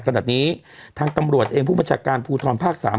ขนาดนี้ทางตำรวจเองผู้ประชาการภูทรภาคสาม